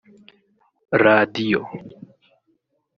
radio